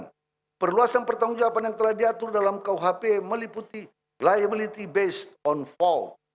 pengakuan atas kehadiran perluasan pertanggungjawaban yang telah diatur dalam khpi meliputi liability based on fault